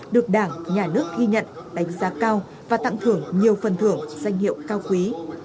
được đảng nhà nước ghi nhận đánh giá cao và tặng thưởng nhiều phần thưởng danh hiệu cao quý